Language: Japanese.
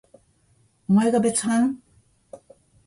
おまえが別班？